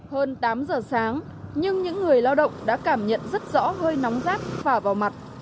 hơn tám giờ sáng nhưng những người lao động đã cảm nhận rất rõ hơi nóng rát phả vào mặt